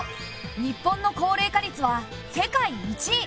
日本の高齢化率は世界１位。